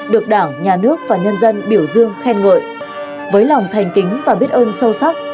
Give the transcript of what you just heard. được đảng nhà nước và nhân dân biểu dương khen ngợi với lòng thành kính và biết ơn sâu sắc